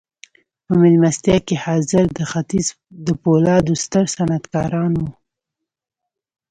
په مېلمستیا کې حاضر د ختیځ د پولادو ستر صنعتکاران وو